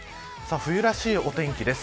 冬らしいお天気です。